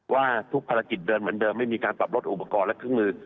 ว่าทุกภารกิจเดินเหมือนเดิมไม่มีการปรับลดอุปกรณ์และเครื่องมือ